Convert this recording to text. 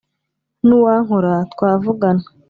n' uwankora twavugana